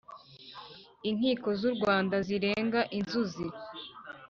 Inkiko z’u Rwanda zirenga inzuzi.